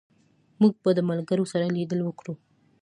موږ به د ملګرو سره لیدل وکړو